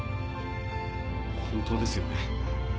本当ですよね。